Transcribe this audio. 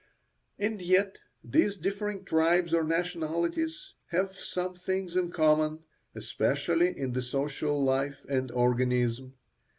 And yet these differing tribes or nationalities have some things in common, especially in the social life and organism.